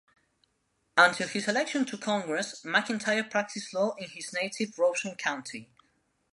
Until his election to Congress, McIntyre practiced law in his native Robeson County.